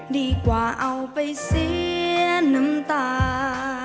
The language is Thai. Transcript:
ดีกว่าเอาไปเสียน้ำตา